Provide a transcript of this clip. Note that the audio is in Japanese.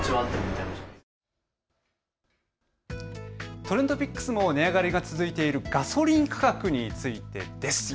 ＴｒｅｎｄＰｉｃｋｓも値上がりが続いているガソリン価格についてです。